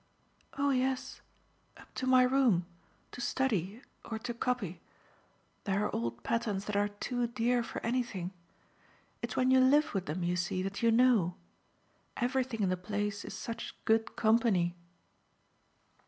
"Oh yes up to my room, to study or to copy. There are old patterns that are too dear for anything. It's when you live with them, you see, that you know. Everything in the place is such good company."